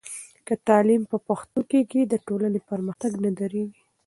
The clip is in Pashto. که تعلیم په پښتو کېږي، د ټولنې پرمختګ نه درېږي.